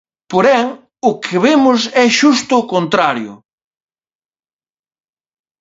Porén, o que vemos é xusto o contrario.